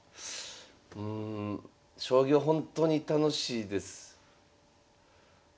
うん将棋は本当に楽しいです。